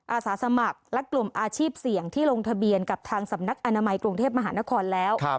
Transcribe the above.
อาสาสมัครและกลุ่มอาชีพเสี่ยงที่ลงทะเบียนกับทางสำนักอนามัยกรุงเทพมหานครแล้ว